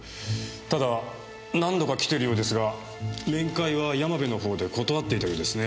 ただ何度か来てるようですが面会は山部のほうで断っていたようですね。